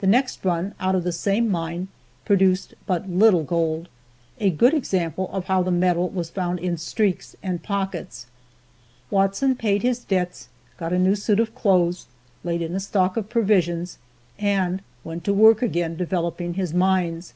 The next run, out of the same mine, produced but little gold, a good example of how that metal was found in streaks and pockets. Watson paid his debts, got a new suit of clothes, laid in a stock of provisions, and went to work again developing his mines.